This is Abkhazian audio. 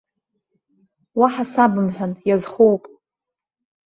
Уаҳа сабымҳәан, иазхоуп!